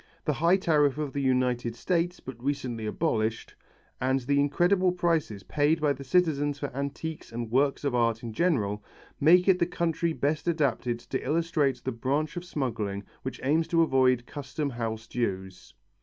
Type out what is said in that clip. The high tariff of the United States, but recently abolished, and the incredible prices paid by the citizens for antiques and works of art in general, make it the country best adapted to illustrate the branch of smuggling which aims at avoiding Custom House dues.